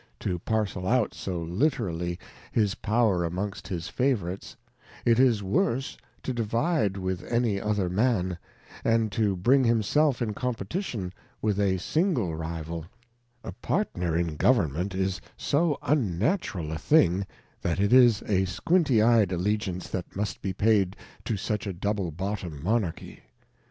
6 r to parcel out so liberally his Power amongst his Favourites, it is worse to divide with any other Man, and to bring himself in Competition with a single Rival ; a Partner in Government is so unnatural a thing, that it is a squint ey'd Allegiance that must be paid to such a double bottoniM Monarchy.